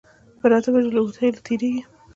پر اتو بجو له هودخېلو تېرېږي.